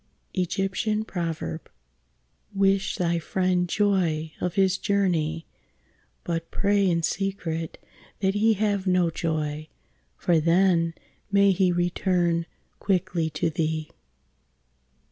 Wish thy friend joy of his journey, but pray in secret that he have no joy, for then may he return quickly to thee.